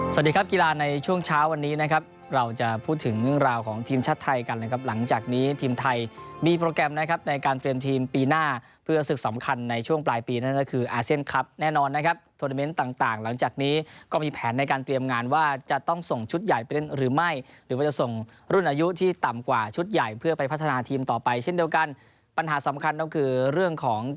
สวัสดีครับกีฬาในช่วงเช้าวันนี้นะครับเราจะพูดถึงเรื่องราวของทีมชาติไทยกันนะครับหลังจากนี้ทีมไทยมีโปรแกรมนะครับในการเตรียมทีมปีหน้าเพื่อศึกสำคัญในช่วงปลายปีนั้นก็คืออาเซียนคลับแน่นอนนะครับโทรเมนต์ต่างหลังจากนี้ก็มีแผนในการเตรียมงานว่าจะต้องส่งชุดใหญ่ไปเล่นหรื